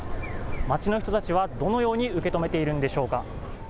街の人たちはどのように受け止めているんでしょうか。